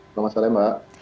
selamat sore mbak